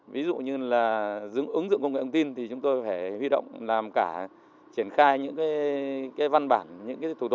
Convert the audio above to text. ví dụ như là ứng dụng công nghệ thông tin thì chúng tôi phải huy động làm cả triển khai những văn bản